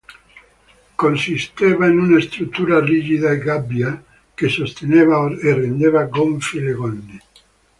Consisteva in una struttura rigida a "gabbia" che sosteneva e rendeva gonfie le gonne.